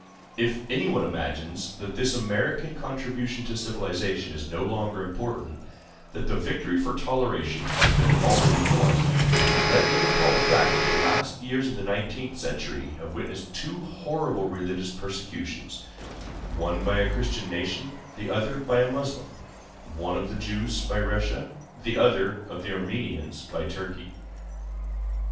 If anyone imagines that this American contribution to civilization is no longer important,—that the victory for toleration has been already won,—let him recall the fact that the last years of the nineteenth century have witnessed two horrible religious persecutions, one by a Christian nation, the other by a Moslem—one, of the Jews by Russia, and the other, of the Armenians by Turkey.